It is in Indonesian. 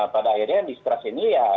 pada akhirnya distrust ini ya